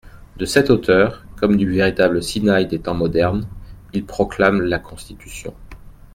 De cette hauteur, comme du véritable Sinaï des temps modernes, il proclame la Constitution.